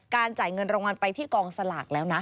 จ่ายเงินรางวัลไปที่กองสลากแล้วนะ